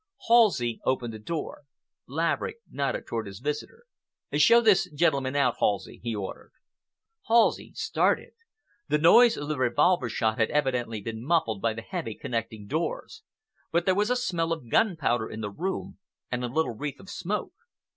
Halsey opened the door. Laverick nodded toward his visitor. "Show this gentleman out, Halsey," he ordered. Halsey started. The noise of the revolver shot had evidently been muffled by the heavy connecting doors, but there was a smell of gunpowder in the room, and a little wreath of smoke.